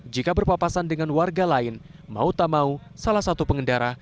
jika berpapasan dengan warga lain mau tak mau salah satu pengendara